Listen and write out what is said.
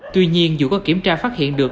tuy nhiên dù có kiểm tra phát hiện được